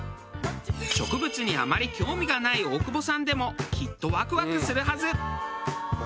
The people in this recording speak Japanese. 植物にあまり興味がない大久保さんでもきっとワクワクするはず。